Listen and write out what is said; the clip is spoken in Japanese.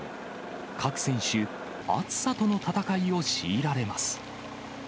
各選手、暑さとの戦いを強いられます。